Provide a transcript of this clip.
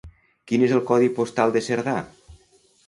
Quin és el codi postal de Cerdà?